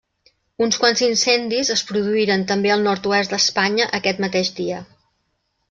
Uns quants incendis es produïren també al nord-oest d'Espanya aquest mateix dia.